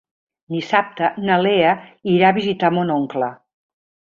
Dissabte na Lea irà a visitar mon oncle.